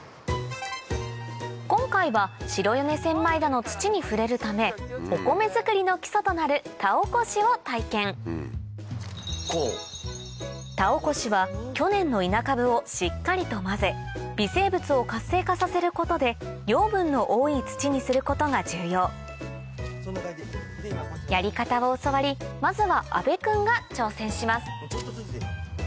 今回は白米千枚田の土に触れるためお米づくりの基礎となる田おこしは去年の稲株をしっかりと混ぜ微生物を活性化させることで養分の多い土にすることが重要やり方を教わりまずは阿部君が挑戦します